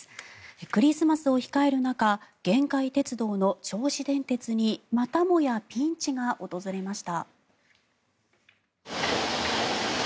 クリスマスを控える中限界鉄道の銚子電鉄にまたもやピンチが訪れました。